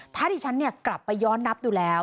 ถ้าที่ฉันกลับไปย้อนนับดูแล้ว